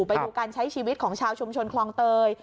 ไปดูการใช้ชีวิตของชาวชุมชนคลองเตย